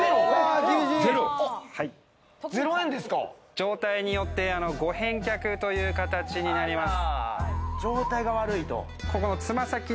状態によって、ご返却という形になります。